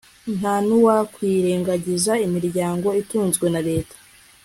Nta nuwakwirengagiza imiryango itunzwe na leta